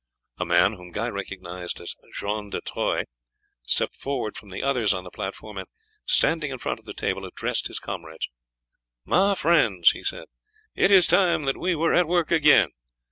A man, whom Guy recognized as John de Troyes, stepped forward from the others on the platform and, standing in front of the table, addressed his comrades. "My friends," he said, "it is time that we were at work again.